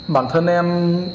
bản thân em